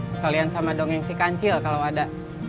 sekalian sama dongeng si kancil kalau ada